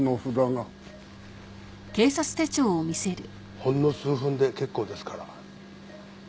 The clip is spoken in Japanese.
ほんの数分で結構ですから。